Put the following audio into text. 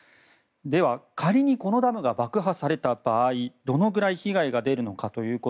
では仮に、このダムが爆破された場合どのくらい被害が出るのか。